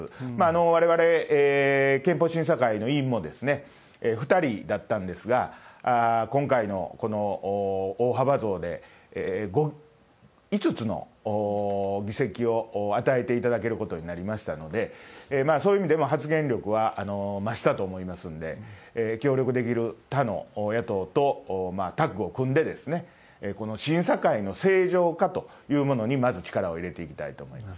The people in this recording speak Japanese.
われわれ憲法審査会の委員も、２人だったんですが、今回のこの大幅増で、５つの議席を与えていただけることになりましたので、そういう意味でも発言力は増したと思いますんで、協力できる他の野党とタッグを組んで、この審査会の正常化というものにまず力を入れていきたいと思います。